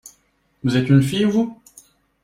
Vous êtes une fille, vous ?